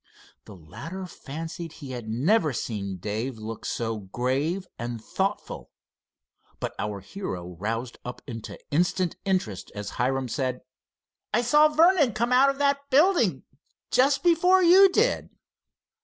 The latter fancied he had never seen Dave look so grave and thoughtful, but our hero roused up into instant interest as Hiram said: "I saw Vernon come out of that building just before you did."